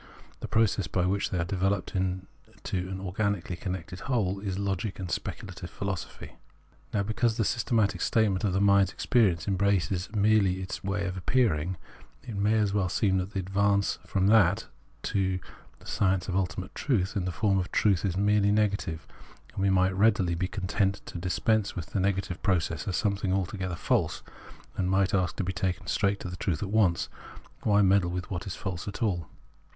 The process by which they are developed into an organically connected whole is Logic and Speculative Philosophy. Now, because the systematic statement of the mind's experience embraces merely its ways of appearing, it may well seem that the advance from that to the science of ultimate truth in the form of truth is merely negative ; and we might readily be content to dis pense with the negative process as something altogether false, and might ask to be taken straight to the truth at once : why meddle with what is false at all